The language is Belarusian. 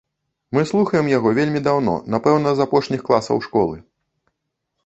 Мы слухаем яго вельмі даўно, напэўна, з апошніх класаў школы.